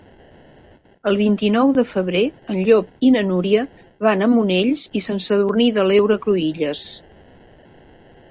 El vint-i-nou de febrer en Llop i na Núria van a Monells i Sant Sadurní de l'Heura Cruïlles.